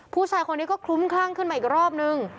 ผู้ชายคนนี้ก็คลุ้มคลั่งขึ้นมาอีกรอบนึง